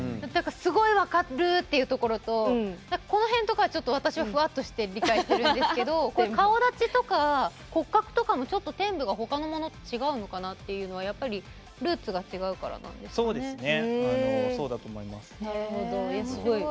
すごい分かるっていうところとこの辺とかは、私はふわっとして理解してるんですけど顔立ちとか骨格とか天部は違うのかなというのは、やっぱりルーツが違うからなんですね。